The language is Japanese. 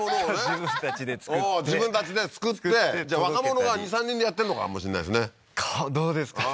自分たちで作って自分たちで作って若者が２３人でやってんのかもしれないですねどうですかね？